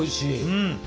うん！